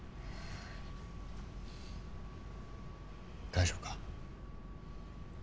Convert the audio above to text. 大丈夫か？